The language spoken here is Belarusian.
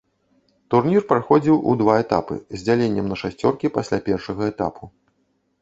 Турнір праходзіў у два этапы з дзяленнем на шасцёркі пасля першага этапу.